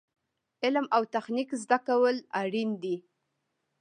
علم او تخنیک زده کول اړین دي